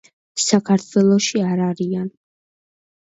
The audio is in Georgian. საქართველოში არ არიან.